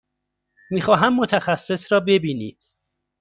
می خواهم متخصص را ببینید.